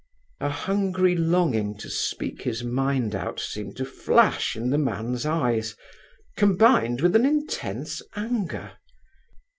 A hungry longing to speak his mind out seemed to flash in the man's eyes, combined with an intense anger.